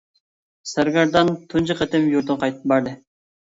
سەرگەردان تۇنجى قېتىم يۇرتىغا قايتىپ باردى.